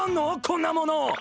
こんなもの！